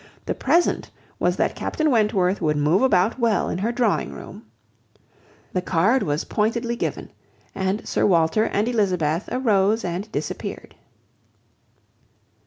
The present was that Captain Wentworth would move about well in her drawing room. The card was pointedly given, and Sir Walter and Elizabeth arose and disappeared.